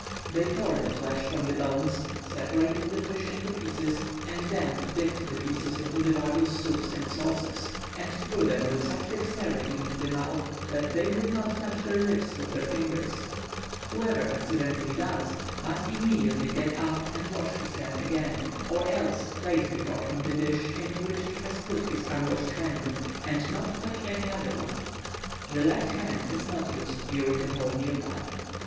They tore the flesh from the bones, separated the fish into pieces, and then dipped the pieces into the various soups and sauces, and threw them with such dexterity into the mouth, that they did not touch their lips with their fingers. Whoever accidentally does, must immediately get up and wash his hand again, or else place before him the dish into which he has put his unwashed hand, and not touch any other one. The left hand is not used during the whole meal time.